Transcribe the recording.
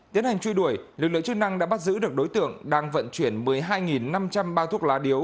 tiến hành truy đuổi lực lượng chức năng đã bắt giữ được đối tượng đang vận chuyển một mươi hai năm trăm linh bao thuốc lá điếu